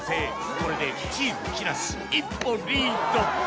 これでチーム木梨一歩リード